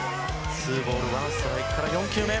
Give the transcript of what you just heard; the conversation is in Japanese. ツーボールワンストライクから４球目。